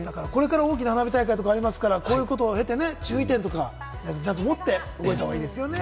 大きな花火大会とかありますから、こういうことを経て注意点とか持って動いた方がいいですよね。